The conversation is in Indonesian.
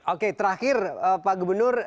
oke terakhir pak gubernur